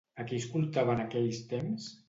A qui escoltava en aquells temps?